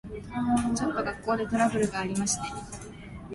ちょっと学校でトラブルがありまして。